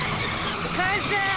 返せ！